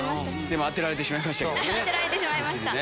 でも当てられてしまいました。